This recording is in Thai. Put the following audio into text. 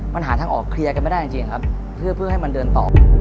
มันหาทางออกเคลียร์กันไม่ได้จริงครับเพื่อให้มันเดินต่อ